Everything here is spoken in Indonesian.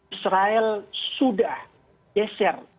israel sudah geser